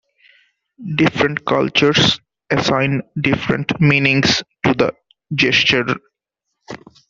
Different cultures assign different meanings to the gesture.